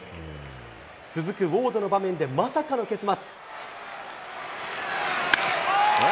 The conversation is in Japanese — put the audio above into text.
続くウォードの場面で、まさかの結末。